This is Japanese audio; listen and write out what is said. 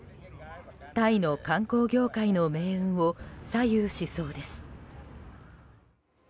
タイの観光業界の命運を左右しそうです。